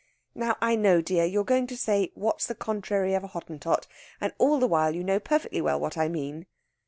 Now I know, dear, you're going to say what's the contrary of a Hottentot, and all the while you know perfectly well what I mean."